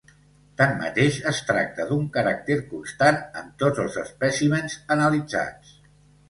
Tanmateix, es tracta d'un caràcter constant en tots els espècimens analitzats.